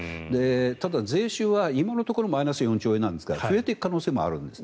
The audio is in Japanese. ただ、税収は今のところマイナス４兆円なんですが増えていく可能性もあるんです。